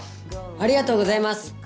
ありがとうございます！